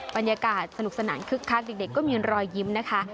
บรรยากาศสนุกสนานคึกคักเด็กก็มีรอยยิ้มนะคะ